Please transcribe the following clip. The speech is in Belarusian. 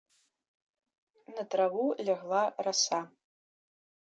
На траву лягла раса.